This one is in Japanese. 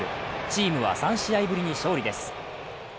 チームは３試合ぶりに勝利です。